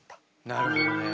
なるほどね。